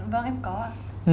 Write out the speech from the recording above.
vâng em có ạ